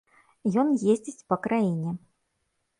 Ён ездзіць па краіне.